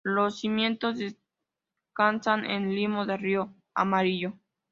Los cimientos descansan en limo del Río Amarillo.